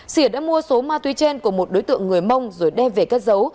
sìa đã mua số ma túy trên của một đối tượng người mông rồi đem về cất dấu